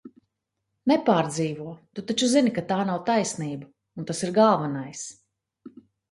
Nepārdzīvo, Tu taču zini, ka tā nav taisnība, un tas ir galvenais!